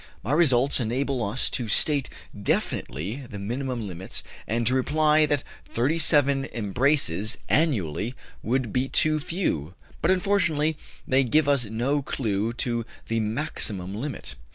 My results enable us to state definitely the minimum limits, and to reply that 37 embraces annually would be too few; but, unfortunately, they give us no clue to the maximum limit.